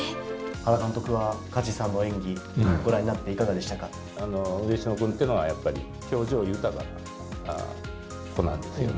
原監督は、梶さんの演技、ウレシノ君っていうのは、やっぱり、表情豊かな子なんですよね。